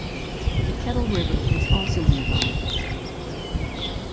The Kettle River is also nearby.